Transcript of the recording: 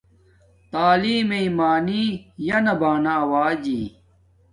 تعیلم میے معنی یانہ بانا اواجی